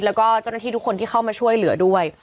แล้วก็เจ้าหน้าที่ทุกคนที่เข้ามาช่วยเหลือด้วย